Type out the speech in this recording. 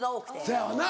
そやわな。